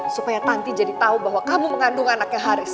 supaya tante jadi tahu bahwa kamu mengandung anaknya haris